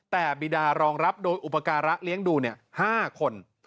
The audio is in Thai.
แต่บีดารองรับโดยอุปการะเลี้ยงดู๕คน